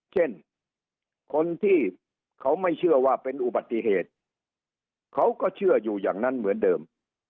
เช่นคนที่เขาไม่เชื่อว่าเป็นอุบัติเหตุเขาก็เชื่ออยู่อย่างนั้นเหมือนเดิม